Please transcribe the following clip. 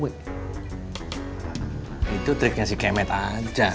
itu triknya si kemet aja